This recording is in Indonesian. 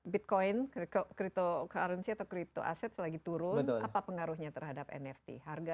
bitcoin crypto currency atau crypto asset lagi turun apa pengaruhnya terhadap nft